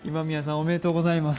おめでとうございます